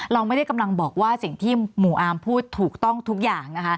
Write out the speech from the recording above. เราไม่ได้กำลังบอกว่าสิ่งที่หมู่อาร์มพูดถูกต้องทุกอย่างนะคะ